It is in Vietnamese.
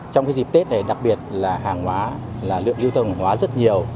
trong dịp tết này đặc biệt là hàng hóa lượng lưu tâm hàng hóa rất nhiều